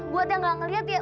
buat yang gak ngeliat ya